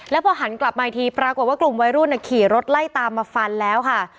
แล้วพอหันกลับมาอีกทีปรากฏว่ากลุ่มวัยรุ่นขี่รถไล่ตามมาฟันแล้วค่ะ